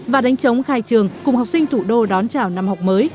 và đánh chống khai trường cùng học sinh thủ đô đón chào năm học mới